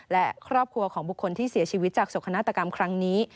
และครอบครัวของบุคคลที่เสียชีวิตจากโศกนาฏกรรมครั้งนี้